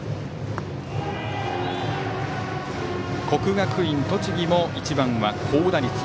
国学院栃木も１番は高打率。